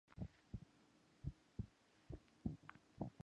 On many occasions, the cast has gone out to various sites to film sequences.